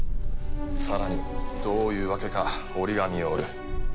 さらにどういうわけか折り紙を折る。